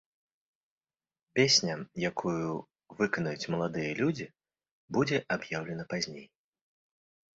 Песня, якую выканаюць маладыя людзі, будзе аб'яўлена пазней.